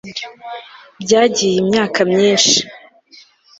Byagiye imyaka myinshi